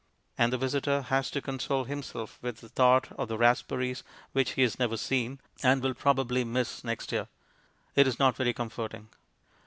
And the visitor has to console himself with the thought of the raspberries which he has never seen, and will probably miss again next year. It is not very comforting.